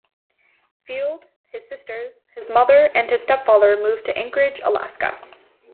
Field, his sisters, his mother and his stepfather moved to Anchorage, Alaska.